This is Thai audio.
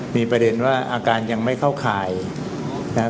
มีประเด็นว่าอาการยังไม่เข้าข่ายนะครับ